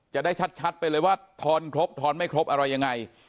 จะได้ชัดไปเลยว่าทอนครบทอนไม่ครบอะไรยังไง